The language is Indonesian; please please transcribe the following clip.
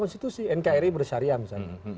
konstitusi nkri bersyariah misalnya